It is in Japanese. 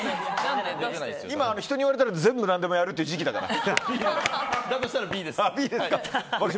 今、人に言われたら全部何でもやるという時期だから。